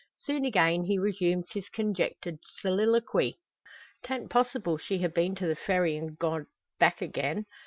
Soon again he resumes his conjectured soliloquy: "'Tan't possible she ha' been to the Ferry, an' goed back again?